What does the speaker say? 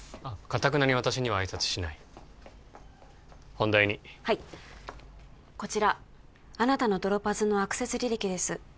かたくなに私には挨拶しない本題にはいこちらあなたのドロパズのアクセス履歴です